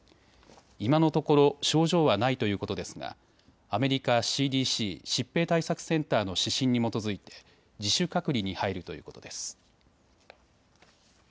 今のところ症状はないということですがアメリカＣＤＣ・疾病対策センターの指針に基づいて自主隔離に入るということです。